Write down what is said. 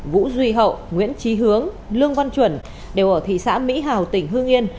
vũ duy hậu nguyễn trí hướng lương văn chuẩn đều ở thị xã mỹ hào tỉnh hương yên